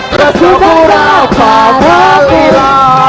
jatuh pangkul abu abu temra